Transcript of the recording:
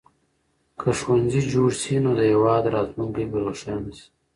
که ښوونځي جوړ شي نو د هېواد راتلونکی به روښانه شي.